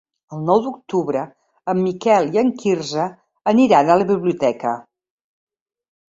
El nou d'octubre en Miquel i en Quirze aniran a la biblioteca.